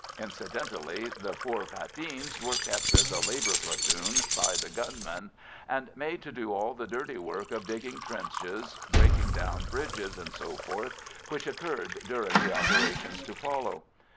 Incidentally the poor Pateens were kept as a labour platoon by the gunmen, and made to do all the dirty work of digging trenches, breaking down bridges, &c., which occurred during the operations to follow.